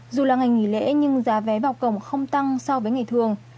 dù là ngày nghỉ lễ nhưng giá vé vào cổng không tăng so với ngày thường